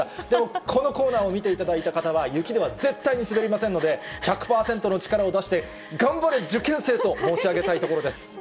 でも、このコーナーを見ていただいた方は、雪では絶対に滑りませんので、１００％の力を出して、頑張れ受験生と申し上げたいところです。